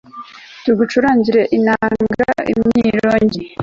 tugucurangire inanga, imyirongi